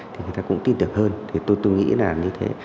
thì người ta cũng tin tưởng hơn thì tôi nghĩ là như thế